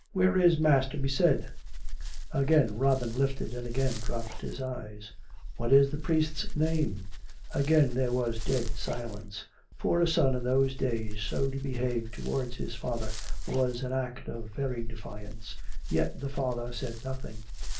Where is mass to be said ?" Again Robin lifted and again dropped his eyes. " What is the priest's name ?" Again there was dead silence. For a son, in those days, so to behave towards his father, was an act of very defiance. Yet the father said nothing.